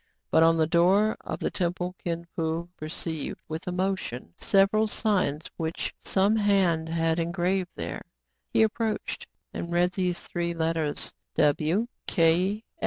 But on the door of the temple Kin Fo perceived, with emotion, several signs which some hand had engraved there. He approached, and read these three letters, — W.